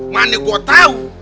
mana gua tau